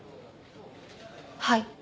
はい。